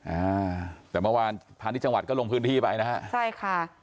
อ่าแต่เมื่อวานพาณิชยจังหวัดก็ลงพื้นที่ไปนะฮะใช่ค่ะ